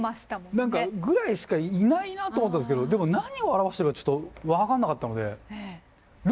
何かぐらいしかいないなと思ったんすけどでも何を表してるのかちょっと分かんなかったので。